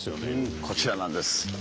こちらなんです。